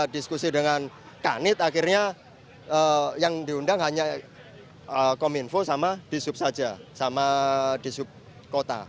diskusi dengan kanit akhirnya yang diundang hanya kominfo sama disub saja sama disub kota